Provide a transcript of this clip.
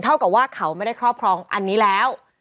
เท่ากับว่าเขาไม่ได้ครอบครองอันนี้แล้ว